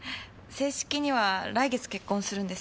正式には来月結婚するんですけど。